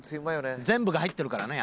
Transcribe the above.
全部が入っとるからね